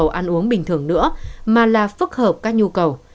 không còn là nhu cầu ăn uống bình thường nữa mà là phức hợp các nhu cầu